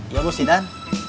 ya bos idan